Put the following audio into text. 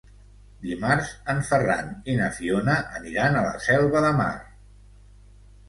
Dimarts en Ferran i na Fiona aniran a la Selva de Mar.